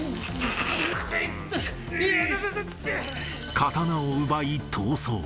刀を奪い逃走。